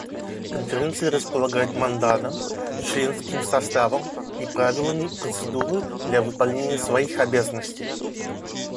Конференция располагает мандатом, членским составом и правилами процедуры для выполнения своих обязанностей.